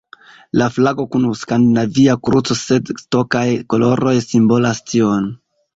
La flago kun Skandinavia kruco sed Skotaj koloroj simbolas tion.